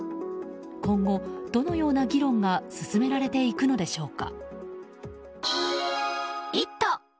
今後、どのような議論が進められていくのでしょうか。